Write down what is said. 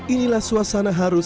inilah suasana hampir selesai